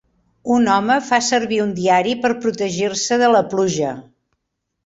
Un home fa servir un diari per protegir-se de la pluja.